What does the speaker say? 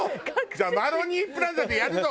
じゃあマロニエプラザでやるぞ！